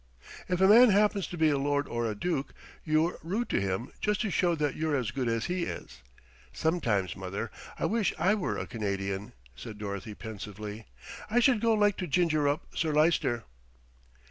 If a man happens to be a lord or a duke, you're rude to him just to show that you're as good as he is. Sometimes, mother, I wish I were a Canadian," said Dorothy pensively. "I should so like to 'ginger up' Sir Lyster."